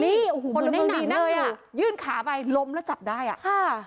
นี่โอ้โหพลเมืองดีเลยอ่ะยื่นขาไปล้มแล้วจับได้อ่ะค่ะ